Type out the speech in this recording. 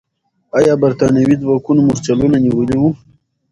آیا برتانوي ځواکونو مرچلونه نیولي وو؟